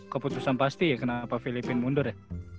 keputusan pasti kenapa filipin mundur ya